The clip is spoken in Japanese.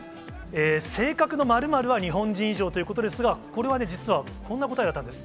性格の○○は日本人以上ということですが、これはね、実はこんな答えだったんです。